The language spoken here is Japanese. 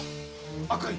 赤井！